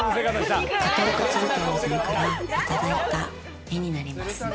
片岡鶴太郎さんからいただいた絵になります。